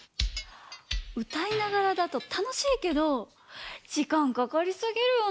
うたいながらだとたのしいけどじかんかかりすぎるよね。